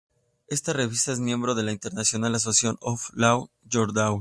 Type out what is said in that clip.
Esta Revista es miembro de la International Association of Labour Law Journals.